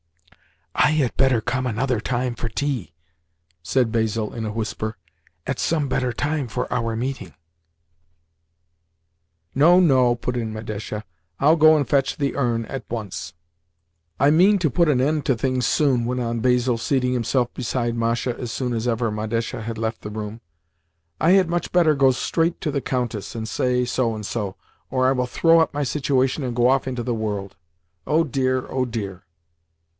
"I had better come another time for tea," said Basil in a whisper—"at some better time for our meeting." "No, no!" put in Madesha. "I'll go and fetch the urn at once." "I mean to put an end to things soon," went on Basil, seating himself beside Masha as soon as ever Madesha had left the room. "I had much better go straight to the Countess, and say 'so and so' or I will throw up my situation and go off into the world. Oh dear, oh dear!"